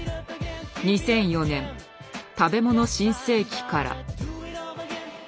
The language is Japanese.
２００４年「たべもの新世紀」から。